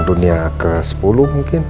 dunia ke sepuluh mungkin